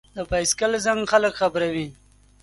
د بایسکل زنګ خلک خبروي.